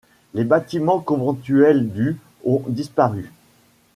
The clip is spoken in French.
Les bâtiments conventuels du ont disparu.